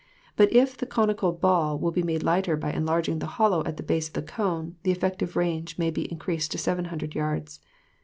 But if the conical ball will be made lighter by enlarging the hollow at the base of the cone, the effective range may be increased to seven hundred yards.